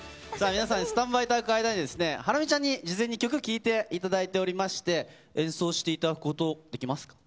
皆さん、スタンバイいただく間に、ハラミちゃんに事前に曲聴いていただいておりまして、演奏していただくことできます？